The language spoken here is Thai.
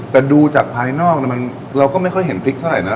แต่ดูจากภายนอกเราก็ไม่ค่อยเห็นพริกเท่าไหร่นะ